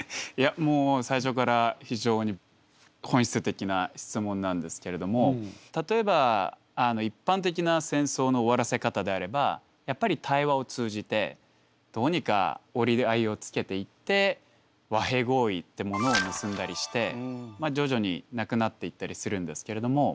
もう最初から非常に本質的な質問なんですけれども例えば一般的な戦争の終わらせ方であればやっぱり対話を通じてどうにか折り合いをつけていって和平合意ってものを結んだりしてまあ徐々になくなっていったりするんですけれども。